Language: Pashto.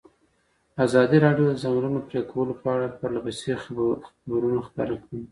ازادي راډیو د د ځنګلونو پرېکول په اړه پرله پسې خبرونه خپاره کړي.